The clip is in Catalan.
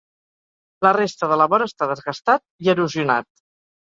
La resta de la vora està desgastat i erosionat.